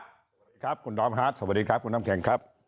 สวัสดีครับคุณดอมฮาร์ดสวัสดีครับคุณน้ำแข็งครับ